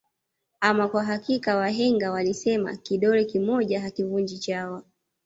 Ama kwa hakika wahenga walisema kidole kimoja akivunji chawa